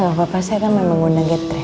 tau apa apa saya kan memang menggunakan catherine